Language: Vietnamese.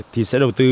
thì sẽ đầu tư